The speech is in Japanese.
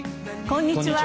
こんにちは。